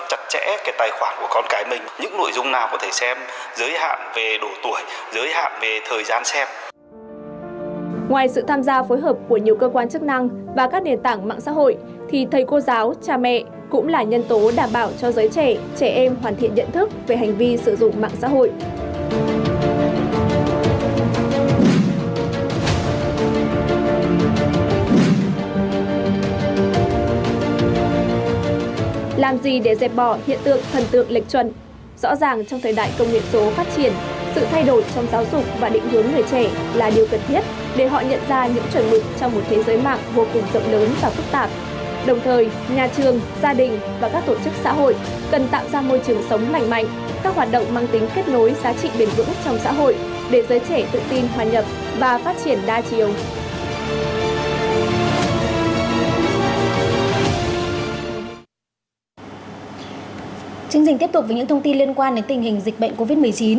chương trình tiếp tục với những thông tin liên quan đến tình hình dịch bệnh covid một mươi chín